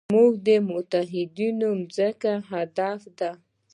زموږ د متحدینو ځمکې هدف دی.